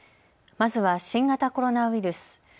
まずは新型コロナウイルス。